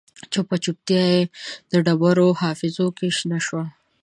چوپه چوپتیا یې د ډبرو حافظو کې شنه شوه